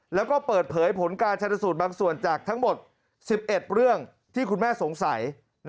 แล้วก็เปิดเผยผลการชนสูตรบางส่วนจากทั้งหมด๑๑เรื่องที่คุณแม่สงสัย